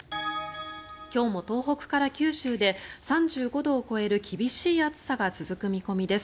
今日も東北から九州で３５度を超える厳しい暑さが続く見込みです。